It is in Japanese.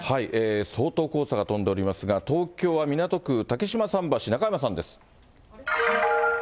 相当、黄砂が飛んでおりますが、東京は港区竹芝桟橋、中山さんです。